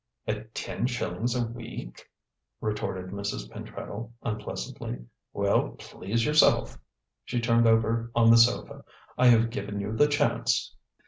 "At ten shillings a week!" retorted Mrs. Pentreddle, unpleasantly. "Well, please yourself!" she turned over on the sofa "I have given you the chance."